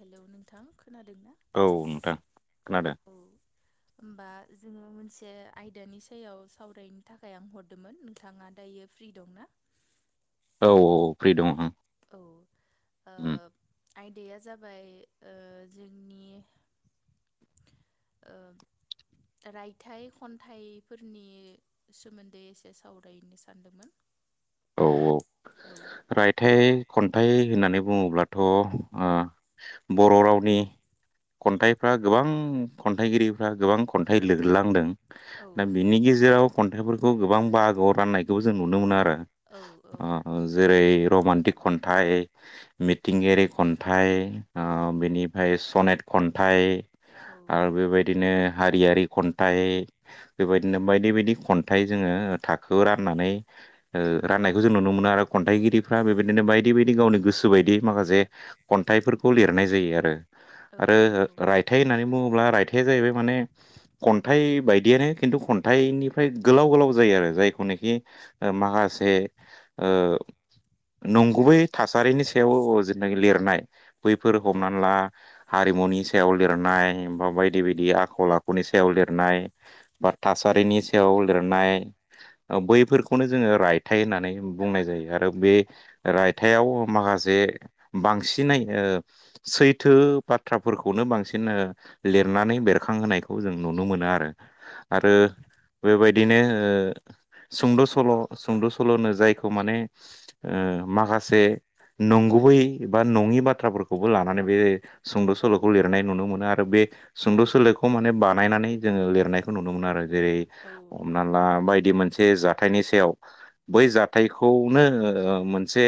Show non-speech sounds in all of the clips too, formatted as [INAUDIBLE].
Hello नोंथां खोनादों? ना? औ नोंथां खोनादों। [INAUDIBLE] होमबा जोङो मोनसे आयदानि सायाव सावरायनो थाखाय आं हरदोंमोन नोंथाङा दायो फ्रि दंना? औ औ फ्रि दङ ओ। औ ओ आयदाया जाबाय ओ जोंनि ओ रायथाइ खन्थाइफोरनि सोमोन्दै एसे सावरायनो सान्दोंमोन एसे सावरायनो सानदोंमोन। औ औ औ रायथाय खन्थाइ होननानै बुङोब्लाथ' ओ बर' रावनि खन्थाइफ्रा गोबां खन्थाइगिरिफ्रा गोबां खन्थाइ लिरलांदों। औ दा बिनि गेजेराव खन्थाइफोरखौ गोबां बाहागोआव राननायखौबो जों नुनो मोनो आरो औ औ जेरै रमान्टिक खन्थाइ मिथिंगायारि खन्थाइ ओ औ बेनिफ्राय सनेत खन्थाइ औ आरो बेबायदिनो हारियारि खन्थाइ बेबायदिनो बायदि बायदि खन्थाइ जोङो थाखोआव राननानै ओ राननायखौ जों नुनो मोनो आरो खन्थाइगिरिफ्रा बेबायदिनो बायदि बायदि गावनि गोसो बायदि माखासे खन्थाइ बेफोरखौ लिरनाय जायो औ आरो नंगौ रायथाइ होनना बुंङोब अब्ला रायथाइ जाहैबाय माने खन्थाइ बायदियानो खिन्थु खन्थाइनिफ्राय गोलाव गोलाव जायो आरो। जायखौनोखि माहासे ओ नंगुबै थासारिनि सायाव जेनाखि लिरनाय बैफोर औ हमनानै ला हारिमुनि सायाव लिरनाय बा बायदि बायदि आखल आखुनि सायाव लिरनाय बा थास सारिनि सायाव लिरनाय बैफोरखौनो जोंङो रायथ थाइ होननानै बुंनाय जायो आरो बे रायथाइयाव माखासे बांसिनै ओ सैथो बाथ्राफोरखौनो बांसिन लिरनानै बेरखांहोनायखौ जों नुनो मोनो। मोनो औ आरो बेबायदिनो सुं'द' सल' सुंद' सल'नो जायखौ माने माखासे नंगुबै बा नंङि बाथ्राफोरखौबो लानानै बे सुंद' सल'खौ लिरनाय नुनो मोनो आरो बे सुंद' सोलोलोखौ माने बानायनानै जोंङो लिरनायखौ नुनो मोन आरो। जेरै औ हमना ला बायदि मोनसे जाथायनि सायाव बै जाथायखौनो मोनसे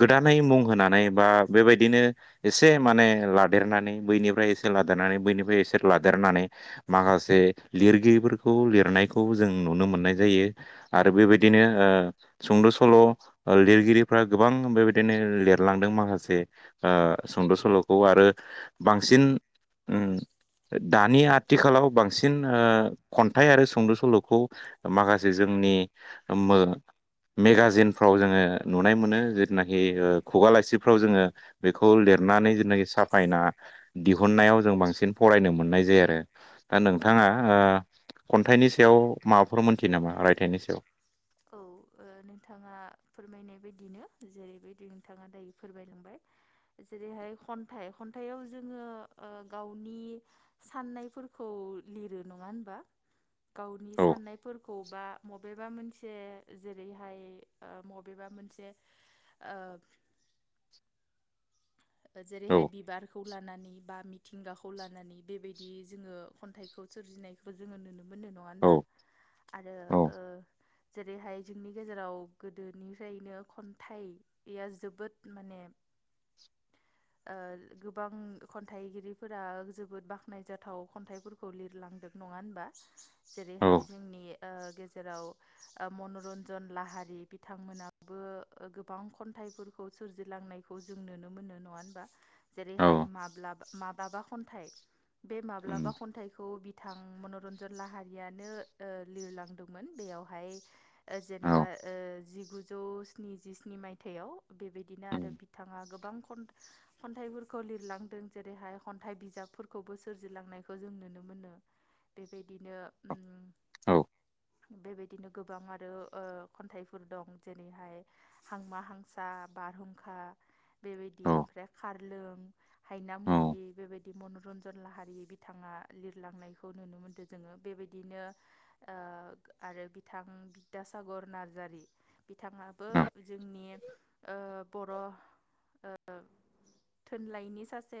गोदानै मुं होनानै बा बेबायदि नो एसे माने लादेरनानै बैनिफ्राय एसे लादेरनानै बैनिफ्राय एसे लादेरनानै माखासे लिरगिरिफोरखौ लिरनायखौ जों नुनो मोननाय जायो औ आरो बेबायदि ओ सुंद' सल' लिरगिरिफ्रा गोबां बेबायदिनो लिरलांदों माखासे ओ सुंद' सल'खौ आरो बांसिन उम [INAUDIBLE] दानि आथिखालाव बांसिन मोजां ओ खन्थाइ आरो सुंद' सल'खौ माखासे जों नि औ मेगाजिनफ्राव जोंङो नुनाय मोनो। जेनाखि खुगा लासिफ्राव जोंङो बेखौ लिरनानै जेनाखि साफायना दिहुननायाव जों बांसिन फरायनो मोननाय जायो आरो दा औ नोंथाङा ओ खन्थाइनि सायाव माबाफोर मोनथियो नामा रायथाइनि सायाव औ नोंथाङा फोरमायनाय बायदिनो जेरैबायदि नोंथाङा दायो फोरमायलांबाय जेरैहाय खन्थाइ खन्थाइयाव जोंङो गावनि साननायफोरखौ लिरो नंङा होनबा गावनि औ साननाय बा मबेबा मोन मोनसे जेरैहाय मबेबा मोनसे ओ [INAUDIBLE] जेरैहाय औ बिबार खौ लानानै बा मिथिंगाखौ लानानै बेबायदि जोंङो खन्थाइखौ सोरजिनायखौ जोंङो नुनो मोनो। मोननो नंङा होनबा औ आरो औ ओ जेरैहाय जोंनि गेजेराव गोदोनिफ्रायनो खन्थाइया जोबोद माने [INAUDIBLE] ओ गोबां खन्थाइगिरिफोरा जोबोद बाख्नायजाथाव खन्थाइफोरखौ लिरलांदों। नङा होनबा औ जेरैहाय जोंनि ओ गेजेराव मनरन्जन लाहारि बिथांमोनाबो गोबां खन्थाइ फोरखौ सोरजिलांनायखौ जों नुनो मोनो। नङा होनबा औ जेरैहाय माब्ला माब्लाबा खन्थाइ बे उम माब्लाबा खन्थाइखौ बिथां मनरन्जन लाहारियानो लिरलांदोंमोन बेयावहाय औ जेनेबा ओ जिगुजौ स्निजिस्नि मायथाइयाव बेबायदिनो उम आरो बिथांङा गोबां खन खन्थाइफोरखौ लिरलांदों जेरैहाय खन्थाइ बिजाबफोरखौबो सोरजिलांनायखौ जों नुनो मोनो। बेबायदिनो औ बेबायदिनो गोबां आरो खन्थाइफोर दं जेरैहाय हांमा हांसा बारहुंखा बेबायदि औ खारलु औ हायनामुलि बेबादि मनरन्जन जन लाहारि बिथांङा लिरलांनायखौ नुनो मोनदों जोङो बेबायदिनो आरो बिथां बिद्दासागर नार्जारि बिथाङाबो जोंनि ओ बर' ओ थुनलाइनि सासे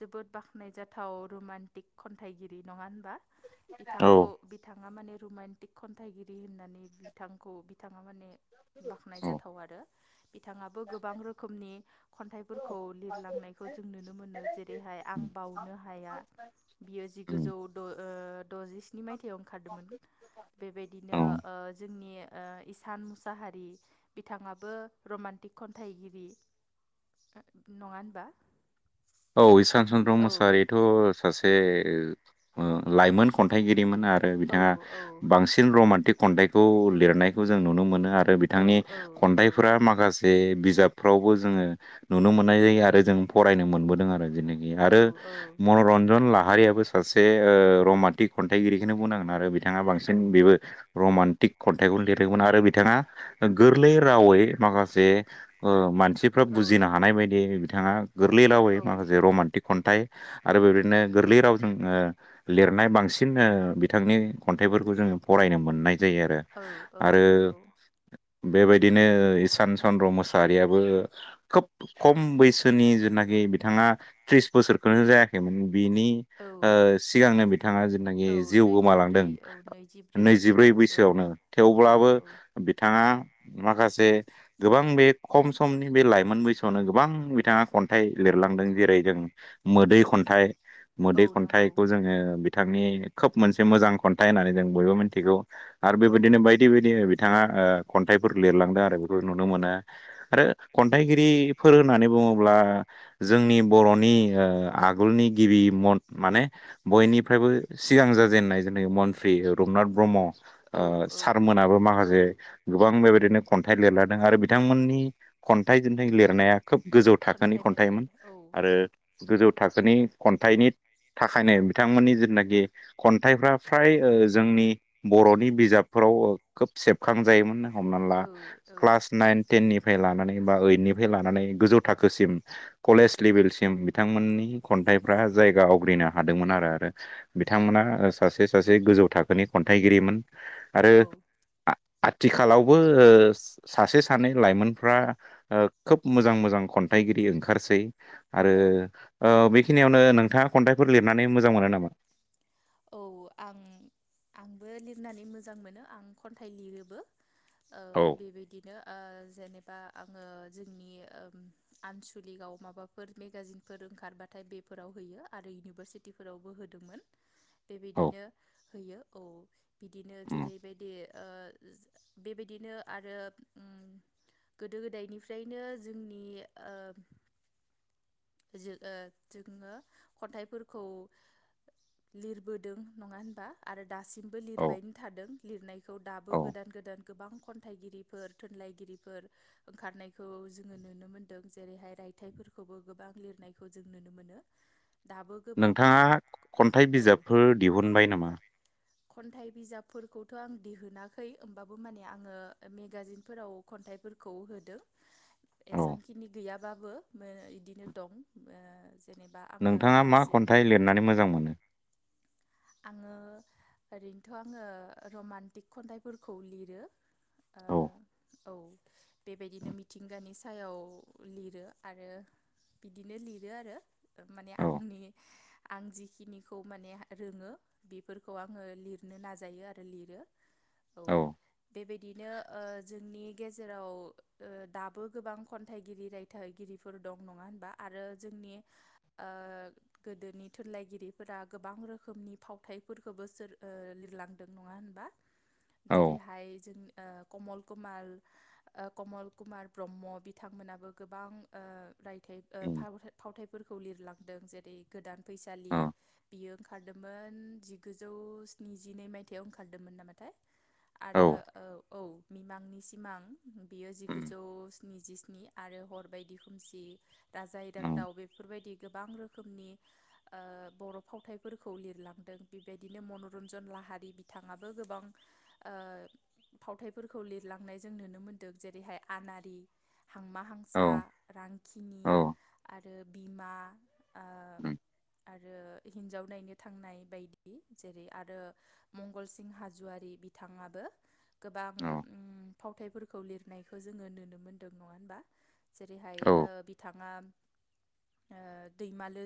जोबोद बाखनायजाथाव रमान्टिक खन्थाइगिरि नङा होनबा औ बिथांखौ बिथाङा माने रमान्टिक खन्थाइगिरि होननानै बिथांखौ बिथां बिथाङा मे बाख्नाय औ जाथाव आरो बिथाङाबो गोबां रोखोमनि खन्थाइफोरखौ लिरलांनायखौ जों नुनो मोनो जेरैहाय आं बावनो हाया बियो उम जिगुजौ द'जिस्नि मायथायाइाव ओंखारदोंमोन बेबायदिनो औ ओ जोंनि ओ इसान मुसाहारि बिथाङाबो रमान्टिक खन्थाइगिरि नङा होनबा औ इसान चन्द्र औ मोसाहारिथ' सासे ओ लाइमोन खन्थाइगिरि मोन आरो औ बिथाङा औ बांसिन रमान्टिक खन्थाइखौ लिरनायखौ जों नुनो मोनो आरो औ बिथांनि औ औ खन्थाइफोरा माखासे बिजाब फ्रावबो जोङो नुनो मोननाय जायो आरो जों फरायनो मोनबोदों आरो जेनेखि आरो औ मनरन्जन ला हारियाबो सासे ओ रमान्टिक खन्थाइगिरिखौनो बुंनांगोन आरो बिथाङा बांसिन बेबो रमान्टिक खन्थाइखौ लिरदोंमोन आरो बिथाङा गोरलै रावै माखासे ओ मान मानसिफ्रा औ बुजिनो हानाय बायदि बिथाङा गोरलै रावै औ औ माखासे रमान्टिक खन्थाइ आरो बेबायदिनो गोरलै रावजों ओ लिरनाय बांसिन ओ बिथांनि खन्थाइफोरखौ जों फरायनो मोननाय जायो आरो औ औ नंगौ आरो बेबायदिनो इसान चन्द्र मोसाहारियाबो खोब खम बैसोनि जुनाखि बिथाङा त्रिस बोसोरखौनो जायाखैमोन बिनि औ ओ सिगांनो बिथाङा जेनाखि औ जिउ गोमालांदों नैजिब्रै औ नैजिब्रै बैसो नैजिब्रै बैसोआवनो औ थेवब्लाबो औ बिथाङा माखासे गोबां बे खम समनि बे लाइमोन बैसोआवनो गोबां बिथाङा खन्थाइ लिरलांदों जेरै जों मोदै खन्थाइ औ मोदै नंगौ खन्थाइखौ जोङो बिथांनि खोब मोनसे मोजां खन्थाइ होननानै जों बयबो मिन्थिगौ आरो औ बेबायदिनो बायदि बायदि बिथाङा ओ खन्थाइफोर लिरलांदों आरो बेफोरखौ नुनो मोनो आरो खन्थाइगिरिफोर होननानै बुङोब्ला जोंनि बर'नि ओ आगोलनि गिबि मथ माने बयनिफ्रायबो सिगां जाजेननाय जेनाखि मन्त्रि रुनाथ ब्रह्म ओ औ औ सारमोनाबो माखासे गोबां बेबायदिनो खन्थाइ लिरलादों आरो बिथांमोननि खन्थाइजोंथ लिरनाया खोब गोजौ थाखोनि खन्थाइ मेथाइ खन्थाइमोन औ आरो गोजौ थाखोनि खन्थाइनि थाखायनो बिथांमोननि जिथनाखि खन्थाइफ्रा फ्राय ओ जोंनि बर'नि बिजाबफोर खोब सेबखां जायोमोन न हमनानै ला औ औ क्लास नाइन टेननिफ्राय लानानै बा ओइटनिफ्राय लानानै गोजौ थाखोसिम कलेज लेभेलसिम बिथांमोननि खन्थाइफ्रा जायगा आवग्रिनो हादोंमोन आरो आरो बिथांमोना सासे सासे गोजौ थाखोनि खन्थाइगिरिमोन आरो औ आथिखालावबो ओ सासे सानै लाइमोनफ्रा ओ खोब मोजां मोजां खन्थाइगिरि ओंखारसै आरो औ ओ बेखिनि बेखिनियावनो नोंथाङा खन्थाइफोर लिरनानै मोजां मोनो नामा औ आं आंबो लिरनानै मोजां मोनो आं खन्थाइ लिरोबो ओ औ बेबायदिनो ओ जेनेबा आङो जोंनि ओम आनसलिकआव माबाफोर मेगाजिनफोर ओंखारबाथाय बेफोराव हैयो आरो इउनिभारसिटिफोरावबो होदोंमोन औ बेबायदिनो होयो औ बिदिनो उम जेरैबायदि ओ बेबायदिनो आरो उम गोदो गोदायनिफ्रायनो जोंनि ओ जो ओ जोङो खन्थाइफोरखौ लिर बोदों नङा होनबा आरो दासिमबो औ लिरबायनो थादों लिरनायखौ दाबो औ गोदान गोदान गोबां खन्थाइगिरिफोर थुनलाइगिरिफोर ओंखारनायखौ जोङो नुनो मोनदों जेरैहाय रा आायथाइफोरखौबो गोबां लिरनायखौ जों नुनो मोनो दाबो गोबां नोंथाङा खन्थाइ औ बिजाबफोर दिहुनबाय नामा? खन्थाइ बिजाबफोरखौथ' आं दिहुनाखै होमबाबो माने आङो मेगाजिनफोराव ख खन्थफोरखौ होदों औ एसेखिनि गैयाबाबो इदिनो दं ओ जेनेबा आङो नोंथाङा मा दासिम खन्थाइ लिरनानै मोजां मोनो आङो ओरैनोथ' आङो रमान्टिक खन्थाइफोरखौ लिरो ओ औ औ बेबायदिनो मिथिंगानि सायाव लिरो आरो बिदिनो लिरो आरो माने औ आंनि आं जिखिनिखौ माने रोङो बेफोरखौ आङो लिरनो नाजायो आरो लिरो औ बेबायदि बिदिनो ओ जोंनि गेजेराव ओदाबो गोबां खन्थाइगिरि रायथाइगिरिफोर दं नङा होनबा आरो जोंनि ओ गोदोनि थुनलाइगिरिफोरा गोबां रोख रोखोमनि फावथायाइफोरखौबो सोर लिरलांदों नङा होनबा औ जेरैहाय जों ओ कमल कुमाल कमल कुमार ब्रह्म बिथांमोनाबो गोबां ओ रायथाइ ओ उम फाव-फावथायाइफोरखौ लिरलांदों जेरै गोदान औ फैसालि बियो ओंखारदोंमोन जिगुजौ स्निजिनै मायथाइयाव ओंखारदोंमोन नामाथाय? आरो औ औ मिमांनि सिमां बियो औ जिगुजौ स्निजिस्नि आरो हर बायदि खोमसि राजा औ इरागदाव बेफोरबायदि गोबां रोखोमनि ओ बर' फावथाय फोरखौ लिरलांदों बेबायदिनो मनरन्जन लाहारि बिथाङाबो गोबां ओ फावथायाइफोरखौ लिरलांनाय जों नुनो मोन्दों जेरैहाय आनारि हांमा औ हांसा रांखिनि औ आरो बिमा ओ उम आरो हिनजाव नायनो थांनाय बायदि जेरै आरो मंगलसिं हाज'वारि बिथाङाबो गोबां फावथाइफोरखौ लिरनायखौ जोङो नुनो मोनदों नङा हबा औ जेरैहाय ओ बिथाङा दैमालु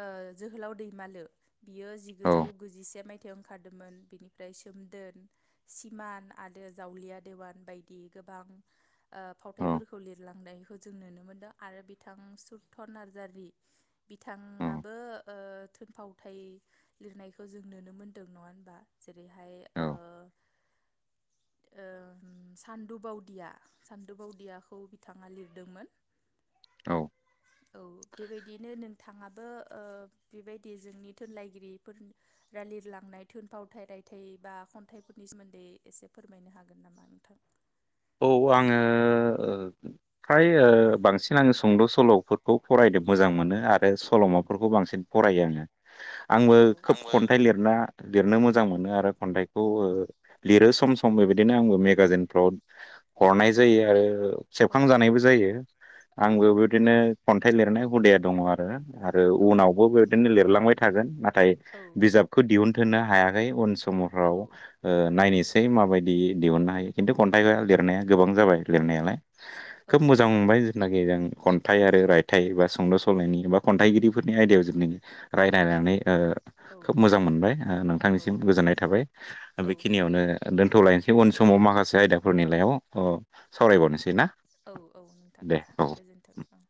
ओ जोहोलाव दैमालु बियो औ जिगुजौ गुजिसे मायथ आथि ओंखारदोंमोन बिनिफ्राय सोमदोन सिमान आरो जावलिया देवान बायदि गो गोबां ओ फावथफोरखौ लिरलांनायखौ जों नुनो मोनदों आरो बिथां सुुरत नार्जारि बिथाङाबो ओ थोनफावथाय लिरनायखौ जों नुनो मोनदों नङा होनबा जेरैहाय औ [INAUDIBLE] ओम सान्दु बावदिया सान्दु बावदियाखौ बिथाङा लिरदोंमोन औ बेबायदिनो नोंथाङाबो ओ बेबायदि जोंनि थुनलाइगिरिफोर रा लिरलांनाय थुनफावथाय रायथाइ बा खन्थाइफोरनि सोमोन्दै एसे फोरमायनो हागोन नामा नोंथां औ आङो ओ फ्राय ओ बांसिन आङो सुंद' सल'फोरखौ फराय नो मोजां मोनो आरो औ सल'माफोरखौ बांसिन फरायो आङो आंबो औ खोब खन्थाइ लिरना लिरनो मोजां मोजां मोनो आरो खन्थाइखौ ओ लिरो सम सम बेबायदिनो आंबो मेगाजिनफ्राव हरनाय जायो आरो औ सेबखांजानायबो जायो आंबो औ बेदिनो खन्थाइ लिरनाय हुदाया दङ आरो आरो औ उनावबो बेदिनो लिरलांबाय थागोन नाथाय औ बिजाबखौ दिहुनथनो हायाखै उन सम औ फ्राव औ नायनोसै माबायदि दिहुननो हायो खिनथु आं लिरनाया गोबां जाबाय लिरनायालाय खोब मोजां मोनबाय जेनाखि जों खन्थाइ आरो रायथाइ बा सुंद' सल'नि बा खन्थाइगिरिफोरनि आयदायाव जों दिनै रायलायनानै ओ खोब मोजां मोनबाय नोंथांनिसिम गोजोननाय थाबाय दा औ बेखिनियावनो ओ दोन्थ'लायनोसै उन समाव माखासे आयदाफोरनिलायाव अ सावरायबावनोसै ना? औ औ नोंथां दे गोजोन्थों